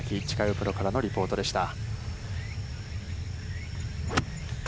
プロからのリポートでした。